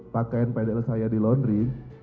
pakaian pdl saya dilondri